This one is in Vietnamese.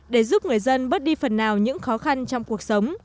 để giúp người dân bớt đi phần nào những khó khăn trong cuộc sống